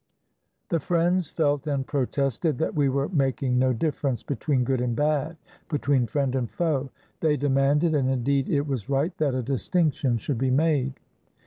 The friends felt and protested that we were making no difference between good and bad, between friend and foe. They demanded, and indeed it was right, that a distinction should be made.